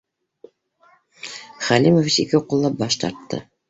Халимович ике ҡуллап баш тартты: